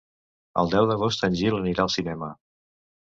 El deu d'agost en Gil anirà al cinema.